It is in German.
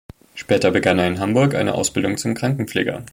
Später begann er in Hamburg eine Ausbildung zum Krankenpfleger.